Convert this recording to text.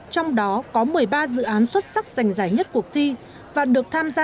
trong đó có một mươi ba dự án xuất sắc giành giải nhất cuộc thi và được tham gia